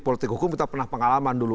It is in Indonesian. politik hukum kita pernah pengalaman dulu